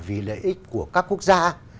vì lợi ích của các quốc gia